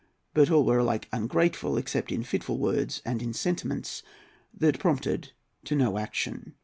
But all were alike ungrateful, except in fitful words and in sentiments that prompted to no action.